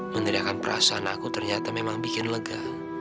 menggerakkan perasaan aku ternyata memang bikin lega